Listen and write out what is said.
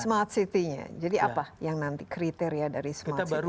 smart city nya jadi apa yang nanti kriteria dari smart city